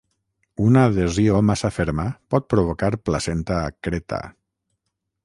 Una adhesió massa ferma pot provocar placenta accreta.